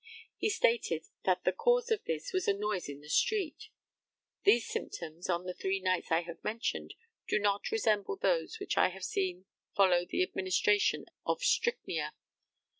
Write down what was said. He stated that the cause of this was a noise in the street. These symptoms, in the three nights I have mentioned, do not resemble those which I have seen follow the administration of strychnia.